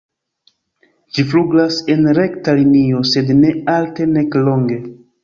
Ĝi flugas en rekta linio, sed ne alte nek longe.